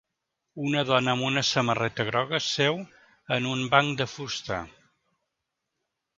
Una dona amb una samarreta groga seu en un banc de fusta.